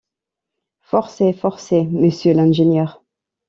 Forcez! forcez ! monsieur l’ingénieur !